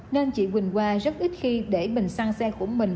nên chị quỳnh hoa rất ít khi để bình xăng xe của mình